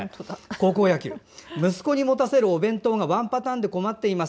息子に持たせるお弁当がワンパターンで困っています。